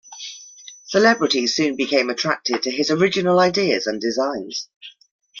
Celebrities soon became attracted to his original ideas and designs.